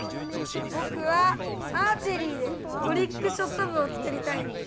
ぼくはアーチェリーでトリックショット部を作りたいんです。